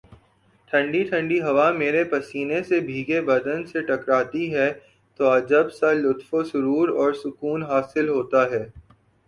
ٹھنڈی ٹھنڈی ہوا میرے پسینے سے بھیگے بدن سے ٹکراتی ہے تو عجب سا لطف و سرو ر اور سکون حاصل ہوتا ہے